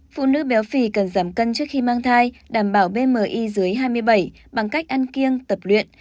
phụ nữ béo phì cần giảm cân trước khi mang thai đảm bảo bmi dưới hai mươi bảy bằng cách ăn kiêng tập luyện